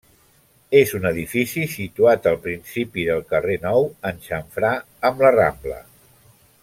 És un edifici situat al principi del carrer Nou, en xamfrà amb la Rambla.